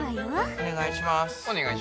お願いします。